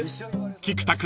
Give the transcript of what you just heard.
［菊田君